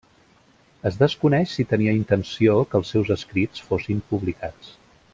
Es desconeix si tenia intenció que els seus escrits fossin publicats.